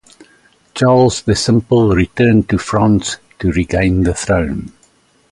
Charles the Simple returned to France to regain the throne.